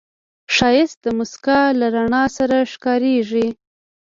ښایست د موسکا له رڼا سره ښکاریږي